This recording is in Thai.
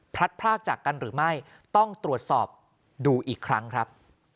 พรากจากกันหรือไม่ต้องตรวจสอบดูอีกครั้งครับ